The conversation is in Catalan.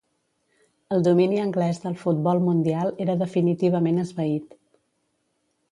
El domini anglès del futbol mundial era definitivament esvaït.